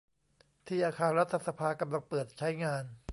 ที่อาคารรัฐสภากำลังเปิดใช้งาน